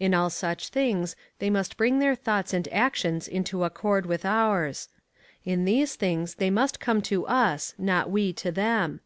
In all such things they must bring their thoughts and actions into accord with ours. In these things they must come to us, not we to them.